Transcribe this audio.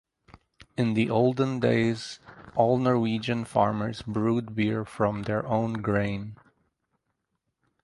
In the olden days all Norwegian farmers brewed beer from their own grain.